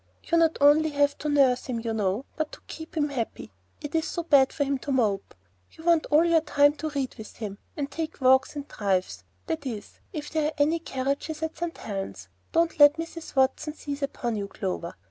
You not only have to nurse him, you know, but to keep him happy. It's so bad for him to mope. You want all your time to read with him, and take walks and drives; that is, if there are any carriages at St. Helen's. Don't let Mrs. Watson seize upon you, Clover.